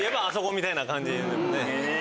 みたいな感じですね。